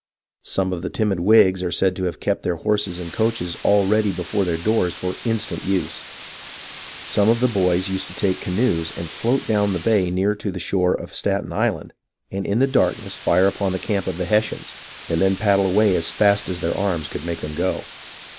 Some of the timid Whigs are said to have kept their horses and coaches all ready before their doors for instant use. Some of the boys used to take canoes and float down the bay near to the shore of Staten Island, and in the darkness fire upon the camp of the Hessians, and then paddle away as fast as their arms could make them go.